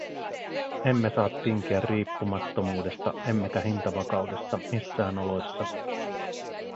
Emme saa tinkiä riippumattomuudesta emmekä hintavakaudesta missään oloissa.